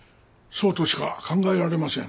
そうとしか考えられません。